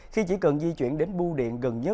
khi chỉ cần di chuyển đến bu điện gần nhất